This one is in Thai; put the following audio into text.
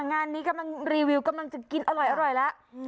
งานนี้กำลังรีวิวกำลังจะกินอร่อยแล้ว